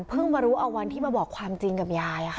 มารู้เอาวันที่มาบอกความจริงกับยาย